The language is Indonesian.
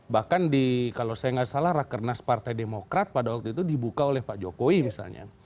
bahkan di kalau saya nggak salah rakernas partai demokrat pada waktu itu dibuka oleh pak jokowi misalnya